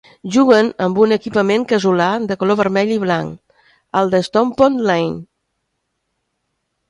Juguen amb un equipament casolà de color vermell i blanc a l'Stompond Lane.